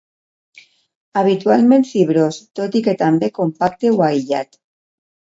Habitualment fibrós, tot i que també compacte o aïllat.